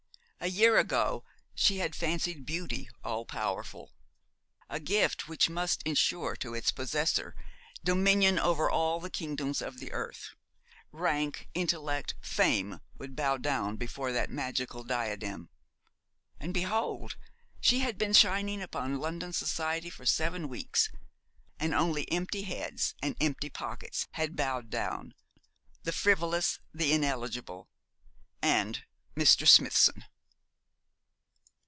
A year ago she had fancied beauty all powerful, a gift which must ensure to its possessor dominion over all the kingdoms of the earth. Rank, intellect, fame would bow down before that magical diadem. And, behold, she had been shining upon London society for seven weeks, and only empty heads and empty pockets had bowed down the frivolous, the ineligible, and Mr. Smithson.